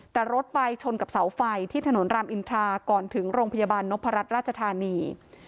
แต่รถไปชนกับเสาไฟที่ถนนรามอินทราก่อนถึงโรงพยาบาลนพรัชราชธานี